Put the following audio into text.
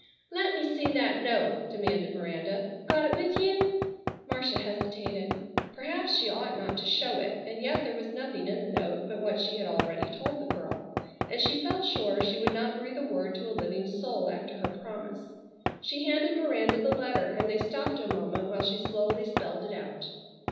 "Let me see that note!" demanded Miranda. "Got it with you?" Marcia hesitated. Perhaps she ought not to show it, and yet there was nothing in the note but what she had already told the girl, and she felt sure she would not breathe a word to a living soul after her promise. She handed Miranda the letter, and they stopped a moment while she slowly spelled it out.